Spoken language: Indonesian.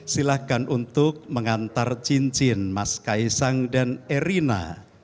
silahkan untuk mengantar cincin mas kaisang dan erina